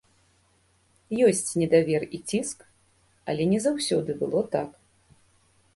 Ёсць недавер і ціск, але не заўсёды было так.